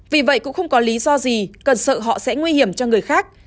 vì vậy cũng không có lý do gì cần sợ họ sẽ nguy hiểm cho người khác